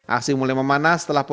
aksi mulia ini tidak berlaku